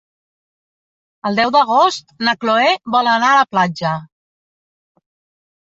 El deu d'agost na Chloé vol anar a la platja.